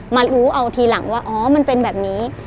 มารู้เอาทีหลังว่าอ๋อมันเป็นแบบนี้